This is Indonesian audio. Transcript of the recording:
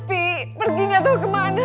pergi gak tau kemana